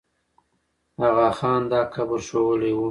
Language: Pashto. آغا خان دا قبر ښوولی وو.